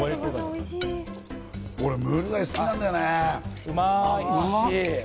俺、ムール貝好きなんだよね。